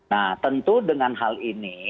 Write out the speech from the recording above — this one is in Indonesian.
nah tentu dengan hal ini